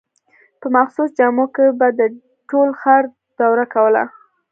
په مخصوصو جامو کې به د ټول ښار دوره کوله.